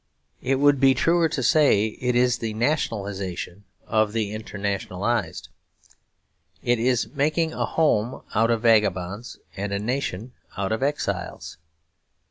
It would be truer to say it is the nationalisation of the internationalised. It is making a home out of vagabonds and a nation out of exiles.